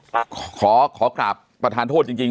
ผมขอขอกราบประธานโทษจริงเวลาน้อย